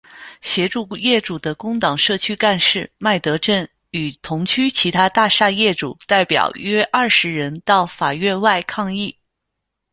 协助业主的工党社区干事麦德正与同区其他大厦业主代表约二十人到法院外抗议。